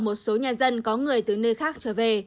một số nhà dân có người từ nơi khác trở về